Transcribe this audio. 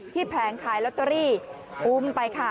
แผงขายลอตเตอรี่อุ้มไปค่ะ